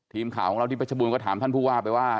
ทีมข่าวของเราที่เพชรบูรณก็ถามท่านผู้ว่าไปว่า